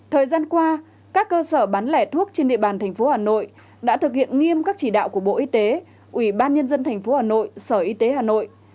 thời gian qua các cơ sở bán lẻ thuốc trên địa bàn tp hà nội đã thực hiện nghiêm các chỉ đạo của bộ y tế ubnd tp hà nội sở y tế hà nội